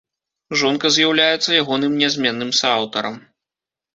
Жонка з'яўляецца ягоным нязменным сааўтарам.